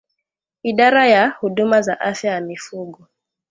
Idara ya Huduma za Afya ya Mifugo